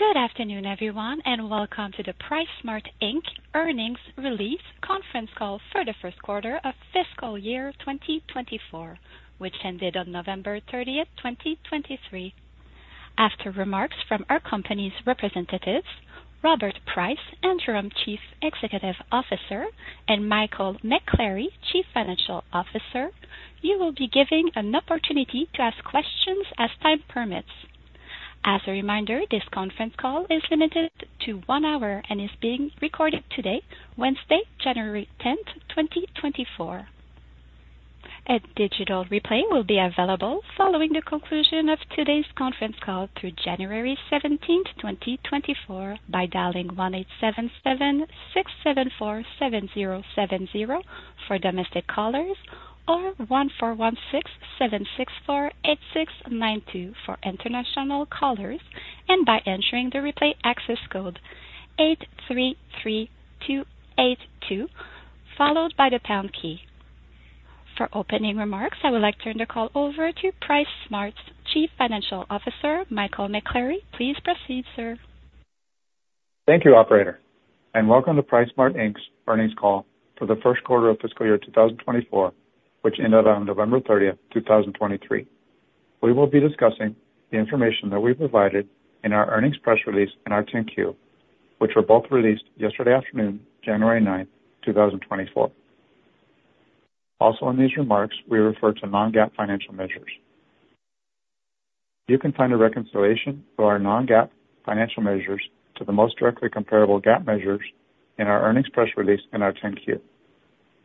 Good afternoon, everyone, and welcome to the PriceSmart Inc. Earnings Release Conference Call for the first quarter of fiscal year 2024, which ended on November 30, 2023. After remarks from our company's representatives, Robert Price, Interim Chief Executive Officer, and Michael McCleary, Chief Financial Officer, you will be given an opportunity to ask questions as time permits. As a reminder, this conference call is limited to one hour and is being recorded today, Wednesday, January 10, 2024. A digital replay will be available following the conclusion of today's conference call through January 17, 2024 by dialing 1-877-674-7070 for domestic callers, or 1-416-764-8692 for international callers, and by entering the replay access code 833282, followed by the pound key. For opening remarks, I would like to turn the call over to PriceSmart's Chief Financial Officer, Michael McCleary. Please proceed, sir. Thank you, operator, and welcome to PriceSmart, Inc.'s earnings call for the first quarter of fiscal year 2024, which ended on November 30, 2023. We will be discussing the information that we provided in our earnings press release and our 10-Q, which were both released yesterday afternoon, January 9, 2024. Also in these remarks, we refer to non-GAAP financial measures. You can find a reconciliation for our non-GAAP financial measures to the most directly comparable GAAP measures in our earnings press release and our 10-Q.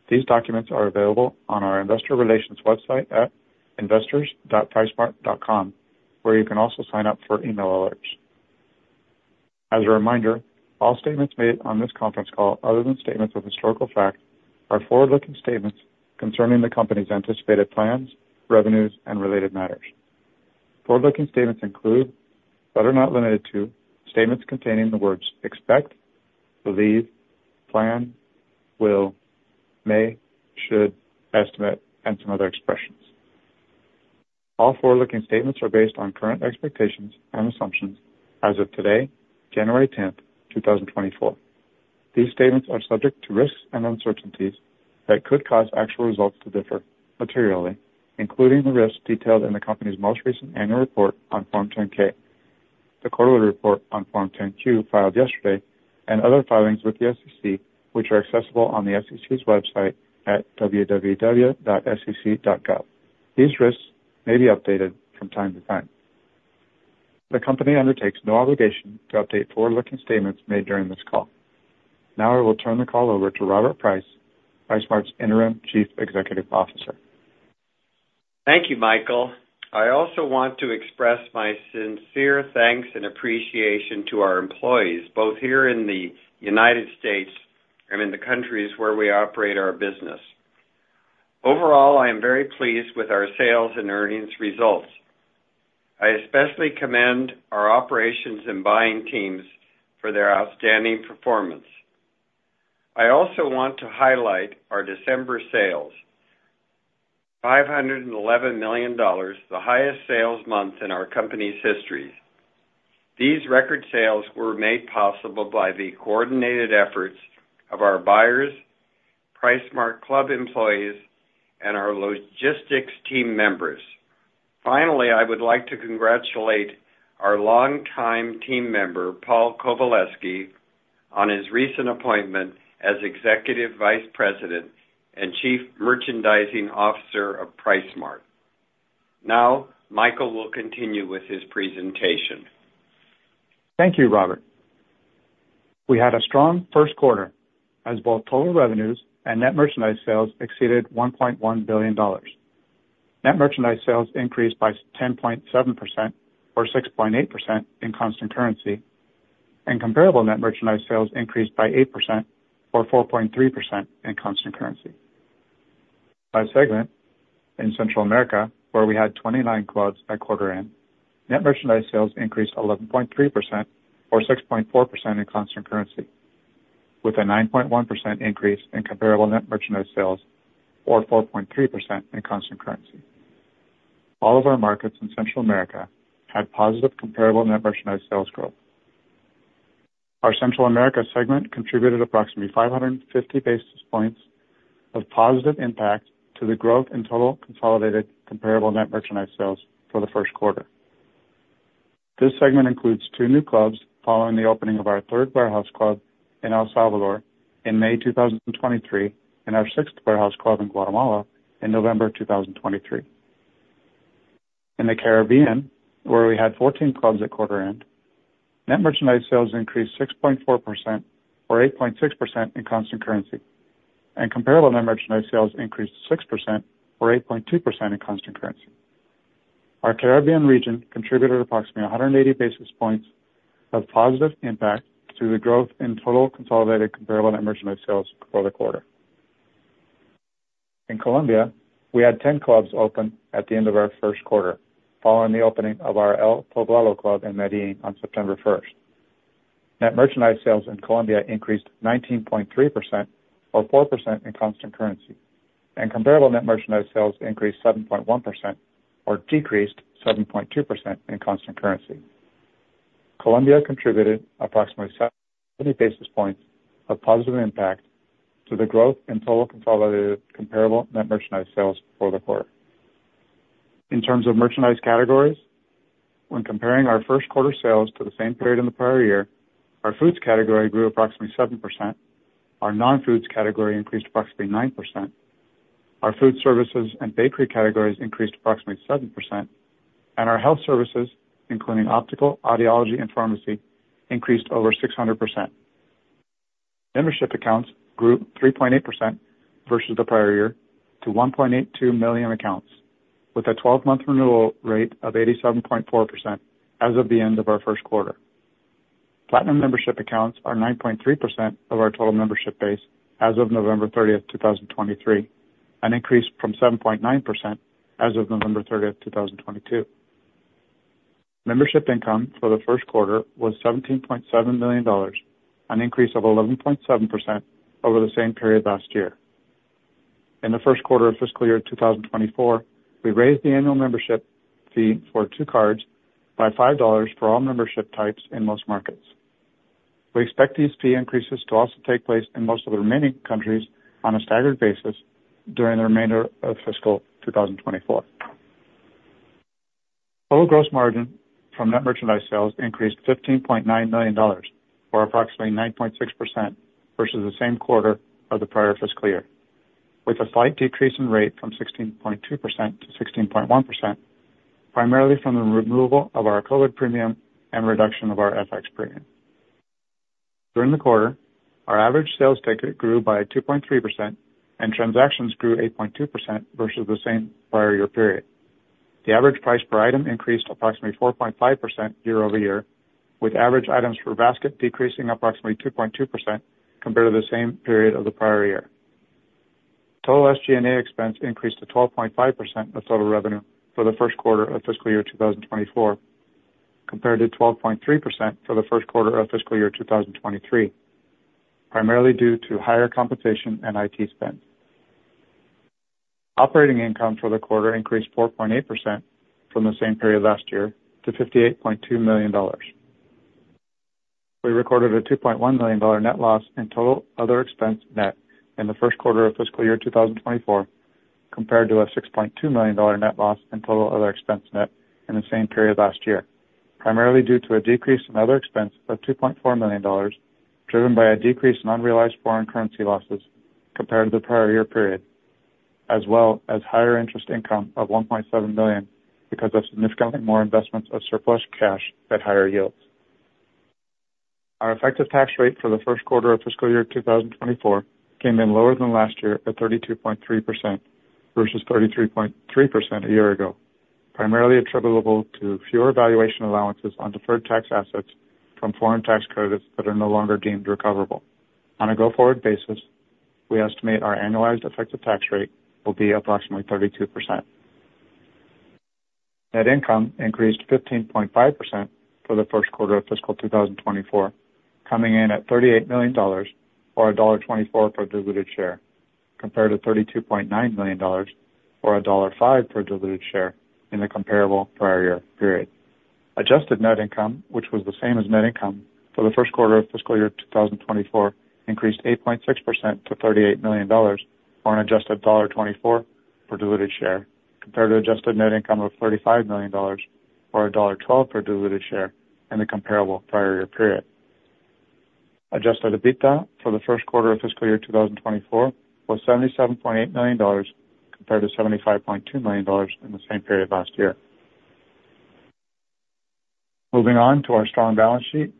These documents are available on our investor relations website at investors.PriceSmart.com, where you can also sign up for email alerts. As a reminder, all statements made on this conference call, other than statements of historical fact, are forward-looking statements concerning the company's anticipated plans, revenues, and related matters. Forward-looking statements include, but are not limited to, statements containing the words expect, believe, plan, will, may, should, estimate, and some other expressions. All forward-looking statements are based on current expectations and assumptions as of today, January 10, 2024. These statements are subject to risks and uncertainties that could cause actual results to differ materially, including the risks detailed in the company's most recent annual report on Form 10-K, the quarterly report on Form 10-Q, filed yesterday, and other filings with the SEC, which are accessible on the SEC's website at www.sec.gov. These risks may be updated from time to time. The company undertakes no obligation to update forward-looking statements made during this call. Now I will turn the call over to Robert Price, PriceSmart's Interim Chief Executive Officer. Thank you, Michael. I also want to express my sincere thanks and appreciation to our employees, both here in the United States and in the countries where we operate our business. Overall, I am very pleased with our sales and earnings results. I especially commend our operations and buying teams for their outstanding performance. I also want to highlight our December sales, $511 million, the highest sales month in our company's history. These record sales were made possible by the coordinated efforts of our buyers, PriceSmart club employees, and our logistics team members. Finally, I would like to congratulate our longtime team member, Paul Kovaleski, on his recent appointment as Executive Vice President and Chief Merchandising Officer of PriceSmart. Now, Michael will continue with his presentation. Thank you, Robert. We had a strong first quarter as both total revenues and net merchandise sales exceeded $1.1 billion. Net merchandise sales increased by 10.7%, or 6.8% in constant currency, and comparable net merchandise sales increased by 8%, or 4.3% in constant currency. By segment, in Central America, where we had 29 clubs at quarter end, net merchandise sales increased 11.3% or 6.4% in constant currency, with a 9.1% increase in comparable net merchandise sales or 4.3% in constant currency. All of our markets in Central America had positive comparable net merchandise sales growth. Our Central America segment contributed approximately 550 basis points of positive impact to the growth in total consolidated comparable net merchandise sales for the first quarter. This segment includes two new clubs following the opening of our third warehouse club in El Salvador in May 2023 and our sixth warehouse club in Guatemala in November 2023. In the Caribbean, where we had 14 clubs at quarter end, net merchandise sales increased 6.4%, or 8.6% in constant currency, and comparable net merchandise sales increased 6%, or 8.2% in constant currency. Our Caribbean region contributed approximately 180 basis points of positive impact to the growth in total consolidated comparable net merchandise sales for the quarter. In Colombia, we had 10 clubs open at the end of our first quarter, following the opening of our El Poblado club in Medellín on September 1. Net merchandise sales in Colombia increased 19.3%, or 4% in constant currency, and comparable net merchandise sales increased 7.1%, or decreased 7.2% in constant currency. Colombia contributed approximately 70 basis points of positive impact to the growth in total consolidated comparable net merchandise sales for the quarter. In terms of merchandise categories, when comparing our first quarter sales to the same period in the prior year, our foods category grew approximately 7%, our non-foods category increased approximately 9%, our food services and bakery categories increased approximately 7%, and our health services, including optical, audiology, and pharmacy, increased over 600%. Membership accounts grew 3.8% versus the prior year to 1.82 million accounts, with a 12-month renewal rate of 87.4% as of the end of our first quarter. Platinum membership accounts are 9.3% of our total membership base as of November 30, 2023, an increase from 7.9% as of November 30, 2022. Membership income for the first quarter was $17.7 million, an increase of 11.7% over the same period last year. In the first quarter of fiscal year 2024, we raised the annual membership fee for two cards by $5 for all membership types in most markets. We expect these fee increases to also take place in most of the remaining countries on a staggered basis during the remainder of fiscal 2024. Total gross margin from net merchandise sales increased $15.9 million, or approximately 9.6% versus the same quarter of the prior fiscal year, with a slight decrease in rate from 16.2% to 16.1%, primarily from the removal of our COVID premium and reduction of our FX premium. During the quarter, our average sales ticket grew by 2.3% and transactions grew 8.2% versus the same prior year period. The average price per item increased approximately 4.5% year-over-year, with average items per basket decreasing approximately 2.2% compared to the same period of the prior year. Total SG&A expense increased to 12.5% of total revenue for the first quarter of fiscal year 2024, compared to 12.3% for the first quarter of fiscal year 2023, primarily due to higher compensation and IT spend. Operating income for the quarter increased 4.8% from the same period last year to $58.2 million. We recorded a $2.1 million net loss in total other expense net in the first quarter of fiscal year 2024, compared to a $6.2 million net loss in total other expense net in the same period last year, primarily due to a decrease in other expenses of $2.4 million, driven by a decrease in unrealized foreign currency losses compared to the prior year period, as well as higher interest income of $1.7 million because of significantly more investments of surplus cash at higher yields. Our effective tax rate for the first quarter of fiscal year 2024 came in lower than last year at 32.3% versus 33.3% a year ago, primarily attributable to fewer valuation allowances on deferred tax assets from foreign tax credits that are no longer deemed recoverable. On a go-forward basis, we estimate our annualized effective tax rate will be approximately 32%. Net income increased 15.5% for the first quarter of fiscal 2024, coming in at $38 million, or $1.24 per diluted share, compared to $32.9 million, or $1.05 per diluted share in the comparable prior year period. Adjusted net income, which was the same as net income for the first quarter of fiscal year 2024, increased 8.6% to $38 million, or an adjusted $0.24 per diluted share, compared to adjusted net income of $35 million, or a $0.12 per diluted share in the comparable prior year period. Adjusted EBITDA for the first quarter of fiscal year 2024 was $77.8 million, compared to $75.2 million in the same period last year. Moving on to our strong balance sheet.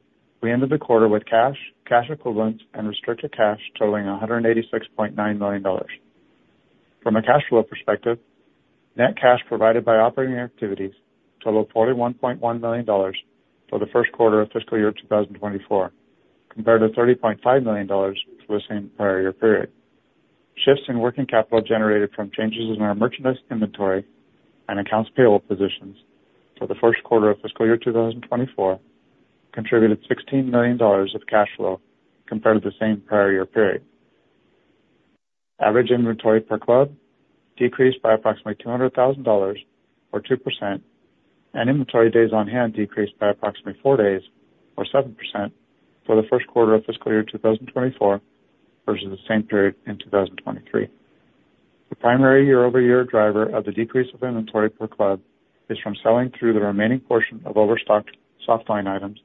We ended the quarter with cash, cash equivalents, and restricted cash totaling $186.9 million. From a cash flow perspective, net cash provided by operating activities totaled $41.1 million for the first quarter of fiscal year 2024, compared to $30.5 million for the same prior year period. Shifts in working capital generated from changes in our merchandise inventory and accounts payable positions for the first quarter of fiscal year 2024 contributed $16 million of cash flow compared to the same prior year period. Average inventory per club decreased by approximately $200,000, or 2%, and inventory days on hand decreased by approximately four days, or 7% for the first quarter of fiscal year 2024 versus the same period in 2023. The primary year-over-year driver of the decrease of inventory per club is from selling through the remaining portion of overstocked softline items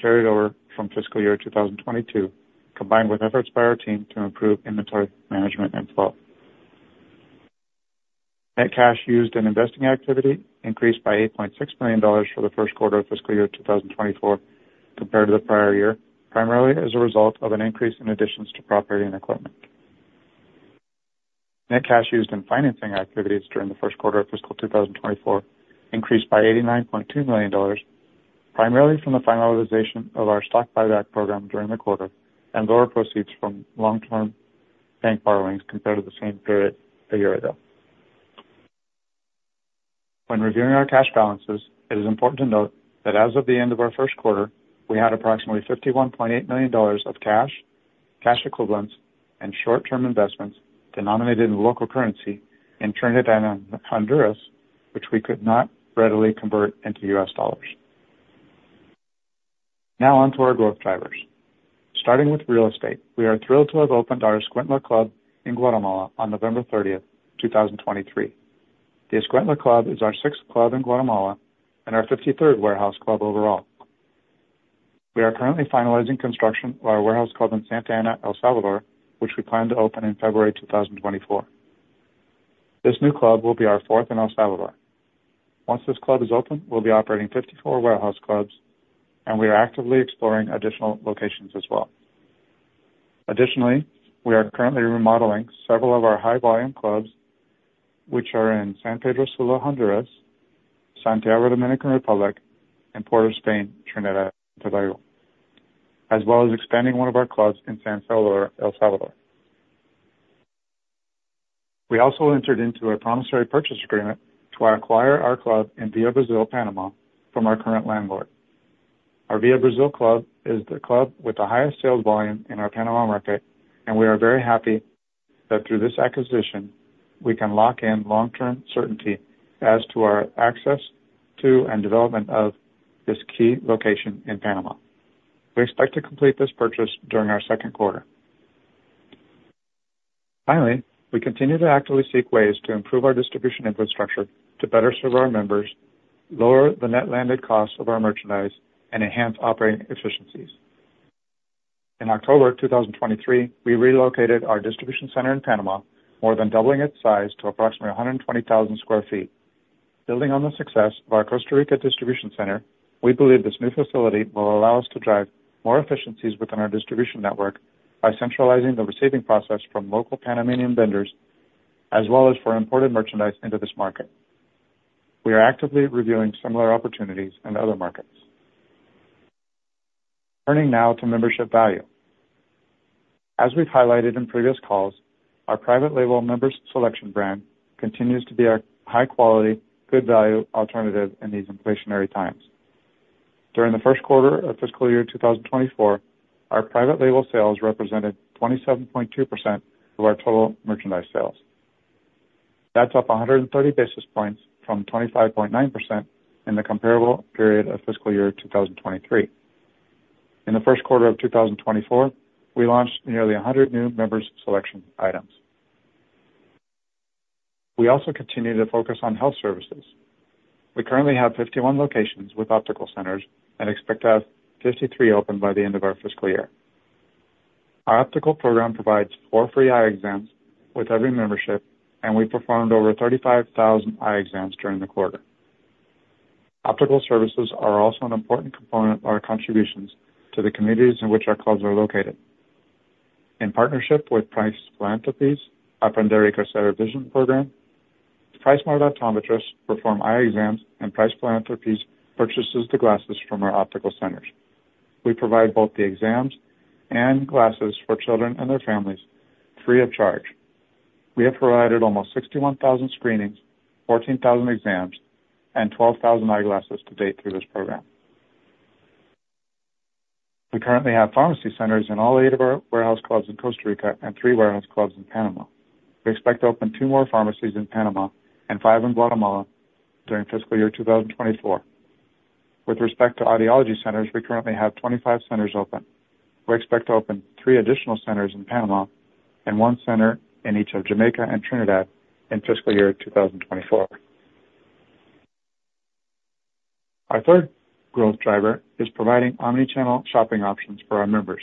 carried over from fiscal year 2022, combined with efforts by our team to improve inventory management and flow. Net cash used in investing activity increased by $8.6 million for the first quarter of fiscal year 2024 compared to the prior year, primarily as a result of an increase in additions to property and equipment. Net cash used in financing activities during the first quarter of fiscal 2024 increased by $89.2 million, primarily from the finalization of our stock buyback program during the quarter and lower proceeds from long-term bank borrowings compared to the same period a year ago. When reviewing our cash balances, it is important to note that as of the end of our first quarter, we had approximately $51.8 million of cash, cash equivalents, and short-term investments denominated in local currency in Trinidad and Honduras, which we could not readily convert into U.S. dollars. Now on to our growth drivers. Starting with real estate, we are thrilled to have opened our Escuintla club in Guatemala on November 30, 2023. The Escuintla club is our sixth club in Guatemala and our 53rd warehouse club overall. We are currently finalizing construction of our warehouse club in Santa Ana, El Salvador, which we plan to open in February 2024. This new club will be our fourth in El Salvador. Once this club is open, we'll be operating 54 warehouse clubs, and we are actively exploring additional locations as well. Additionally, we are currently remodeling several of our high-volume clubs, which are in San Pedro Sula, Honduras, Santiago, Dominican Republic, and Port of Spain, Trinidad and Tobago, as well as expanding one of our clubs in San Salvador, El Salvador. We also entered into a promissory purchase agreement to acquire our club in Via Brasil, Panama, from our current landlord. Our Via Brasil club is the club with the highest sales volume in our Panama market, and we are very happy that through this acquisition, we can lock in long-term certainty as to our access to and development of this key location in Panama. We expect to complete this purchase during our second quarter. Finally, we continue to actively seek ways to improve our distribution infrastructure to better serve our members, lower the net landed cost of our merchandise, and enhance operating efficiencies. In October 2023, we relocated our distribution center in Panama, more than doubling its size to approximately 120,000 sq ft. Building on the success of our Costa Rica distribution center, we believe this new facility will allow us to drive more efficiencies within our distribution network by centralizing the receiving process from local Panamanian vendors, as well as for imported merchandise into this market. We are actively reviewing similar opportunities in other markets. Turning now to membership value. As we've highlighted in previous calls, our private label Member's Selection brand continues to be our high quality, good value alternative in these inflationary times. During the first quarter of fiscal year 2024, our private label sales represented 27.2% of our total merchandise sales. That's up 130 basis points from 25.9% in the comparable period of fiscal year 2023. In the first quarter of 2024, we launched nearly 100 new Member's Selection items. We also continue to focus on health services. We currently have 51 locations with optical centers and expect to have 53 open by the end of our fiscal year. Our optical program provides four free eye exams with every membership, and we performed over 35,000 eye exams during the quarter. Optical services are also an important component of our contributions to the communities in which our clubs are located. In partnership with Price Philanthropies Aprender y Crecer vision program, PriceSmart optometrists perform eye exams and Price Philanthropies purchases the glasses from our optical centers. We provide both the exams and glasses for children and their families free of charge. We have provided almost 61,000 screenings, 14,000 exams, and 12,000 eyeglasses to date through this program. We currently have pharmacy centers in all eight of our warehouse clubs in Costa Rica and three warehouse clubs in Panama. We expect to open two more pharmacies in Panama and five in Guatemala during fiscal year 2024. With respect to audiology centers, we currently have 25 centers open. We expect to open three additional centers in Panama and one center in each of Jamaica and Trinidad in fiscal year 2024. Our third growth driver is providing omni-channel shopping options for our members,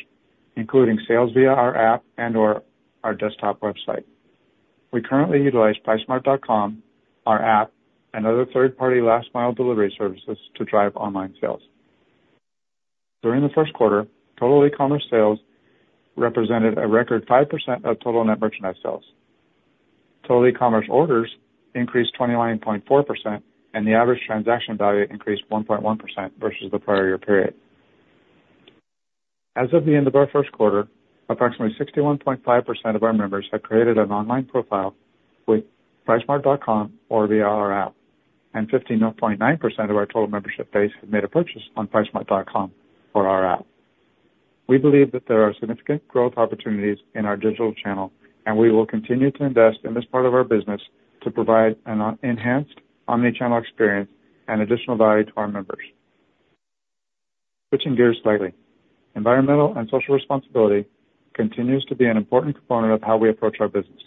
including sales via our app and/or our desktop website. We currently utilize PriceSmart.com, our app, and other third-party last mile delivery services to drive online sales. During the first quarter, total e-commerce sales represented a record 5% of total net merchandise sales. Total e-commerce orders increased 29.4%, and the average transaction value increased 1.1% versus the prior year period. As of the end of our first quarter, approximately 61.5% of our members have created an online profile with PriceSmart.com or via our app, and 15.9% of our total membership base have made a purchase on PriceSmart.com or our app. We believe that there are significant growth opportunities in our digital channel, and we will continue to invest in this part of our business to provide an enhanced omni-channel experience and additional value to our members. Switching gears slightly. Environmental and social responsibility continues to be an important component of how we approach our business.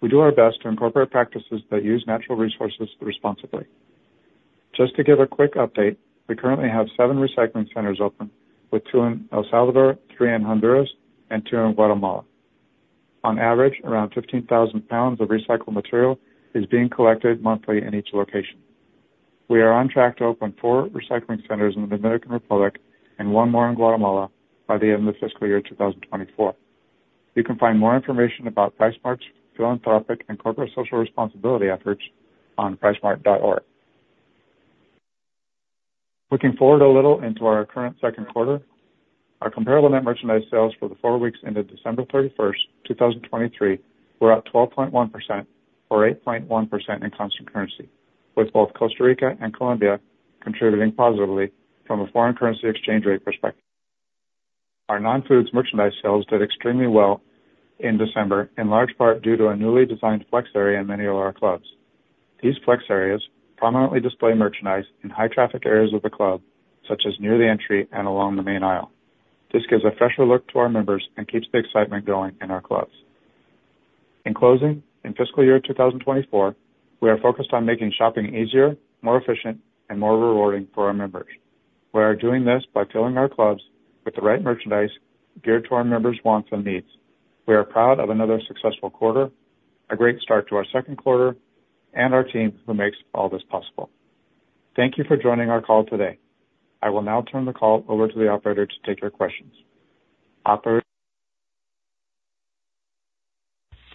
We do our best to incorporate practices that use natural resources responsibly. Just to give a quick update, we currently have seven recycling centers open, with two in El Salvador, three in Honduras, and two in Guatemala. On average, around 15,000 pounds of recycled material is being collected monthly in each location. We are on track to open four recycling centers in the Dominican Republic and one more in Guatemala by the end of fiscal year 2024. You can find more information about PriceSmart's philanthropic and corporate social responsibility efforts on PriceSmart.com. Looking forward a little into our current second quarter, our comparable net merchandise sales for the four weeks ended December 31, 2023, were 12.1% or 8.1% in constant currency, with both Costa Rica and Colombia contributing positively from a foreign currency exchange rate perspective. Our non-foods merchandise sales did extremely well in December, in large part due to a newly designed flex area in many of our clubs. These flex areas prominently display merchandise in high traffic areas of the club, such as near the entry and along the main aisle. This gives a fresher look to our members and keeps the excitement going in our clubs. In closing, in fiscal year 2024, we are focused on making shopping easier, more efficient, and more rewarding for our members. We are doing this by filling our clubs with the right merchandise geared to our members' wants and needs. We are proud of another successful quarter, a great start to our second quarter, and our team, who makes all this possible. Thank you for joining our call today. I will now turn the call over to the operator to take your questions.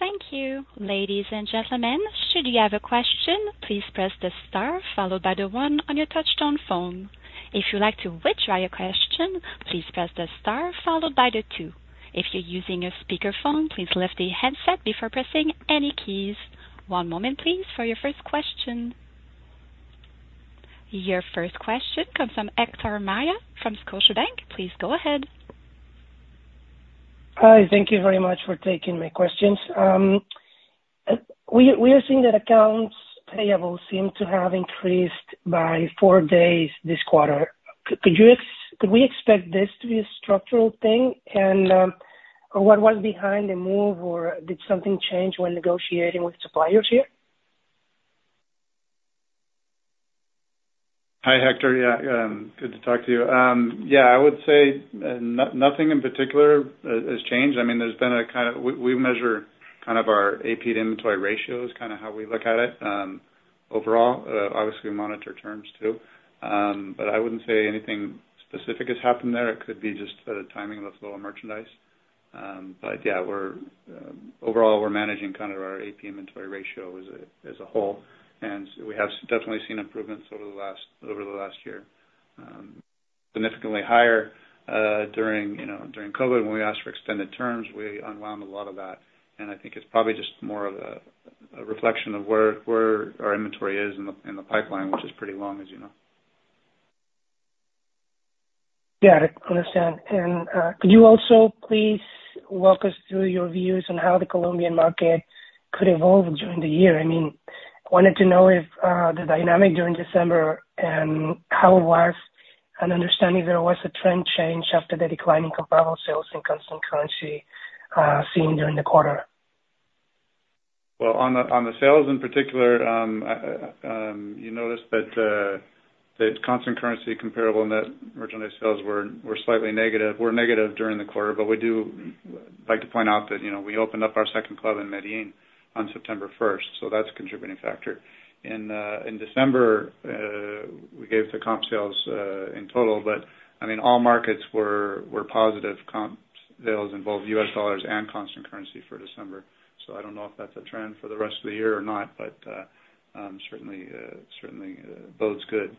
Operator? Thank you. Ladies and gentlemen, should you have a question, please press the star followed by the one on your touch-tone phone. If you'd like to withdraw your question, please press the star followed by the two. If you're using a speakerphone, please lift the headset before pressing any keys. One moment, please, for your first question. Your first question comes from Héctor Maya from Scotiabank. Please go ahead. Hi, thank you very much for taking my questions. We are seeing that accounts payable seem to have increased by four days this quarter. Could we expect this to be a structural thing? And what was behind the move, or did something change when negotiating with suppliers here? Hi, Héctor. Yeah, good to talk to you. Yeah, I would say, nothing in particular has changed. I mean, there's been a kind of, we measure kind of our AP to inventory ratio is kind of how we look at it, overall. Obviously, we monitor terms too. But I wouldn't say anything specific has happened there. It could be just the timing of the flow of merchandise. But yeah, we're overall, we're managing kind of our AP inventory ratio as a whole, and we have definitely seen improvements over the last year. Significantly higher, during, you know, during COVID, when we asked for extended terms, we unwound a lot of that, and I think it's probably just more of a reflection of where our inventory is in the pipeline, which is pretty long, as you know. Yeah, I understand. And, could you also please walk us through your views on how the Colombian market could evolve during the year? I mean, wanted to know if the dynamic during December, and how it was, and understand if there was a trend change after the decline in comparable sales in constant currency seen during the quarter. Well, on the sales in particular, you noticed that the constant currency comparable net merchandise sales were slightly negative, were negative during the quarter. But we do like to point out that, you know, we opened up our second club in Medellín on September first, so that's a contributing factor. In December, we gave the comp sales in total, but I mean, all markets were positive comp sales in both U.S. dollars and constant currency for December. So I don't know if that's a trend for the rest of the year or not, but certainly bodes good.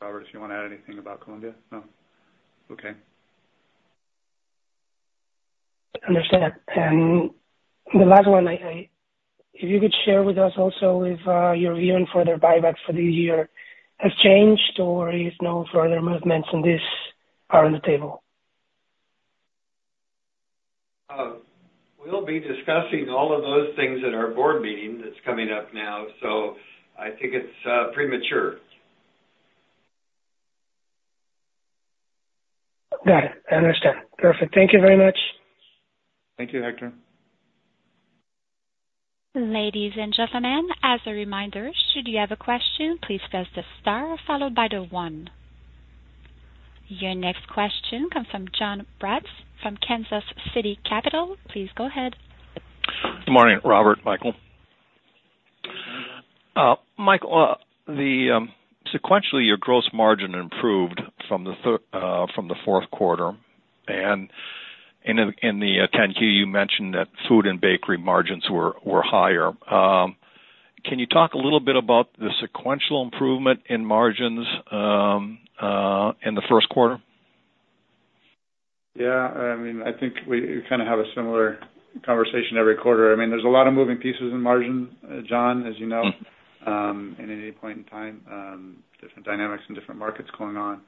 Robert, if you want to add anything about Colombia? No. Okay. Understand. And the last one, I if you could share with us also if your view on further buybacks for this year has changed, or is no further movements in this are on the table? We'll be discussing all of those things at our board meeting that's coming up now, so I think it's premature. Got it. I understand. Perfect. Thank you very much. Thank you, Héctor. Ladies and gentlemen, as a reminder, should you have a question, please press the star followed by the one. Your next question comes from Jon Braatz from Kansas City Capital. Please go ahead. Good morning, Robert, Michael. Michael, sequentially, your gross margin improved from the fourth quarter, and in the 10-Q, you mentioned that food and bakery margins were higher. Can you talk a little bit about the sequential improvement in margins in the first quarter? Yeah. I mean, I think we kind of have a similar conversation every quarter. I mean, there's a lot of moving pieces in margin, John, as you know. Mm-hmm. And at any point in time, different dynamics and different markets going on.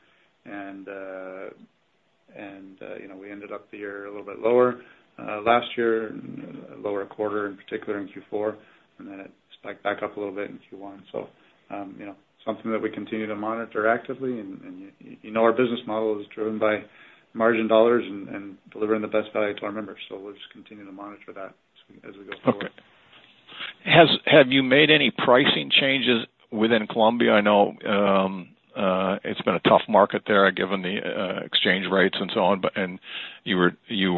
And you know, we ended up the year a little bit lower last year, lower quarter, in particular in Q4, and then it spiked back up a little bit in Q1. So you know, something that we continue to monitor actively and you know, our business model is driven by margin dollars and delivering the best value to our members. So we'll just continue to monitor that as we go forward. Okay. Have you made any pricing changes within Colombia? I know, it's been a tough market there, given the exchange rates and so on, but and you were, you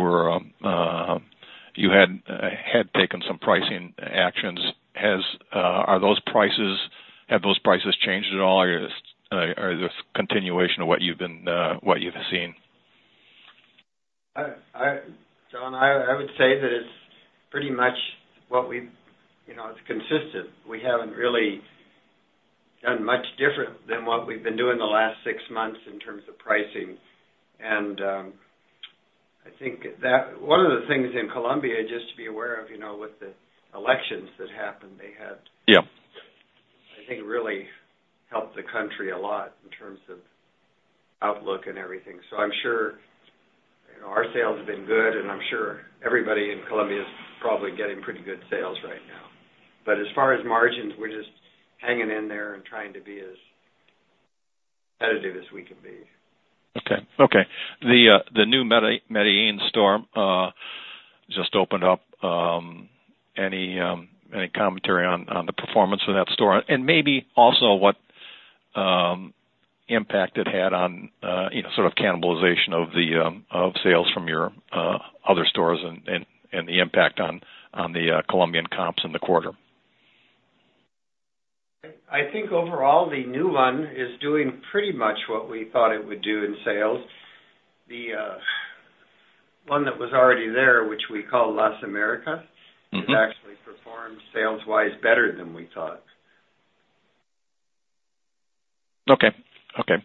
had taken some pricing actions. Have those prices changed at all, or is this continuation of what you've been, what you've seen? Jon, would say that it's pretty much what we've, you know, it's consistent. We haven't really done much different than what we've been doing the last six months in terms of pricing. And I think that one of the things in Colombia, just to be aware of, you know, with the elections that happened, they had- Yeah. I think really helped the country a lot in terms of outlook and everything. So I'm sure, you know, our sales have been good, and I'm sure everybody in Colombia is probably getting pretty good sales right now. But as far as margins, we're just hanging in there and trying to be as competitive as we can be. Okay. The new Medellín store just opened up, any commentary on the performance of that store? And maybe also, what impact it had on, you know, sort of cannibalization of the sales from your other stores and the impact on the Colombian comps in the quarter. I think overall, the new one is doing pretty much what we thought it would do in sales. The one that was already there, which we call Las Americas- Mm-hmm. - has actually performed sales-wise better than we thought. Okay, okay.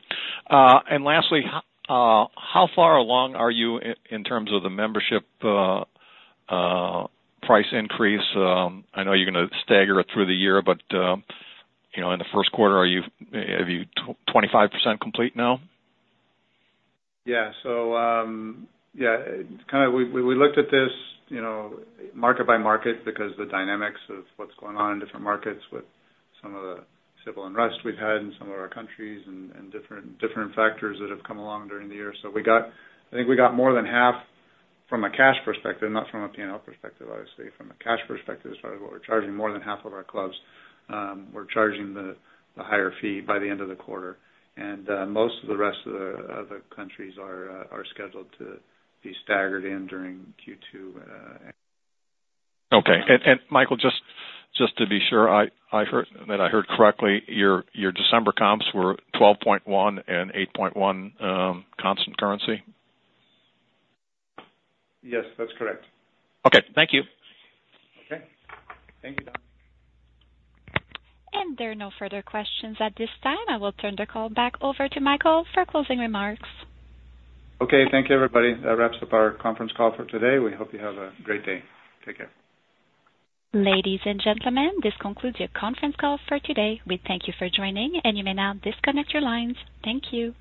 And lastly, how far along are you in terms of the membership price increase? I know you're gonna stagger it through the year, but you know, in the first quarter, are you, have you 25% complete now? Yeah. So, yeah, kind of we looked at this, you know, market by market, because the dynamics of what's going on in different markets with some of the civil unrest we've had in some of our countries and different factors that have come along during the year. So, I think we got more than half from a cash perspective, not from a P&L perspective, obviously. From a cash perspective, as far as what we're charging more than half of our clubs, we're charging the higher fee by the end of the quarter. And most of the rest of the countries are scheduled to be staggered in during Q2. Okay. And Michael, just to be sure, I heard that I heard correctly, your December comps were 12.1 and 8.1, constant currency? Yes, that's correct. Okay, thank you. Okay. Thank you, John. There are no further questions at this time. I will turn the call back over to Michael for closing remarks. Okay, thank you, everybody. That wraps up our conference call for today. We hope you have a great day. Take care. Ladies and gentlemen, this concludes your conference call for today. We thank you for joining, and you may now disconnect your lines. Thank you.